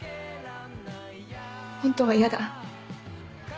ホントは嫌だ。